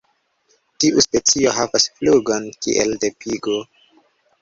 Tiu specio havas flugon kiel de pigo.